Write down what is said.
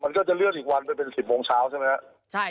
มันก็จะเลื่อนอีกวันเป็น๑๐โมงเช้าใช่ไหมครับ